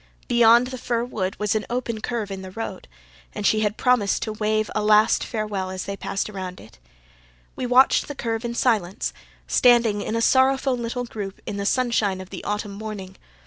Beyond the fir wood was an open curve in the road and she had promised to wave a last farewell as they passed around it. We watched the curve in silence, standing in a sorrowful little group in the sunshine of the autumn morning.